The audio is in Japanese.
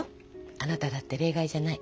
あなただって例外じゃない。